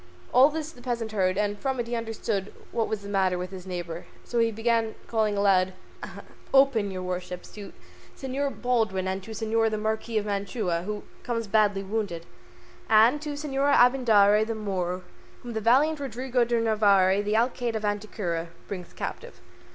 All this the peasant heard, and from it he understood at last what was the matter with his neighbour, so he began calling aloud, "Open, your worships, to Señor Baldwin and to Señor the Marquis of Mantua, who comes badly wounded, and to Señor Abindarraez, the Moor, whom the valiant Rodrigo de Narvaez, the Alcaide of Antequera, brings captive."